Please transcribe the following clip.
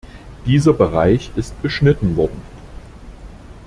Dieser Bereich ist beschnitten worden.